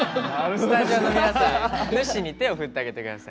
スタジオの皆さんぬっしーに手を振ってあげてください。